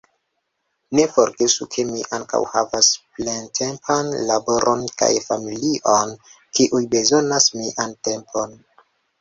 Ne forgesu ke mi ankaŭ havas plentempan laboron kaj familion, kiuj bezonas mian tempon.